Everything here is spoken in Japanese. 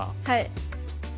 はい。